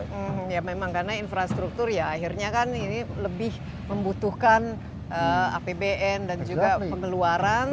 hmm ya memang karena infrastruktur ya akhirnya kan ini lebih membutuhkan apbn dan juga pengeluaran